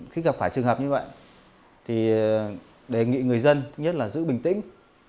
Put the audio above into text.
khi gặp phải trường hợp như vậy thì đề nghị người dân thứ nhất là giữ bình tĩnh